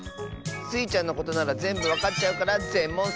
スイちゃんのことならぜんぶわかっちゃうからぜん